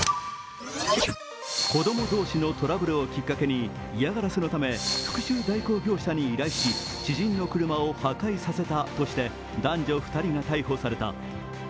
子供同士のトラブルをきっかけに嫌がらせのため復しゅう代行業者に依頼し、知人の車を破壊させたとして男女２人が逮捕された。